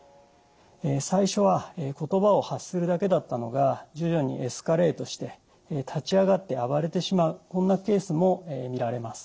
最初は言葉を発するだけだったのが徐々にエスカレートして立ち上がって暴れてしまうこんなケースも見られます。